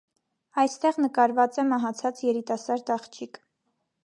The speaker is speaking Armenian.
Այստեղ նկարված է մահացած երիտասարդ աղջիկ։